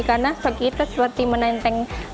karena kita seperti menenteng tas lukis